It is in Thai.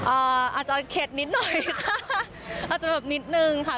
อาจจะเข็ดนิดหน่อยค่ะอาจจะแบบนิดนึงค่ะ